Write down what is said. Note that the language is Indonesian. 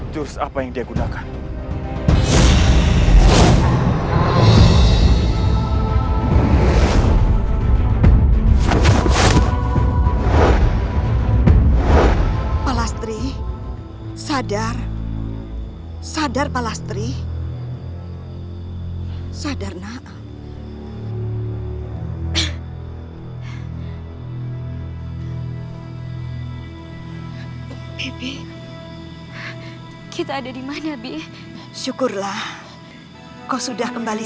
jangan pernah meremehkan kami